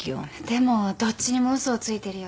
でもどっちにも嘘をついてるようで。